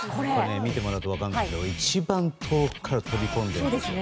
見てもらうと分かるんですけど一番遠くから飛び込んでいるんです。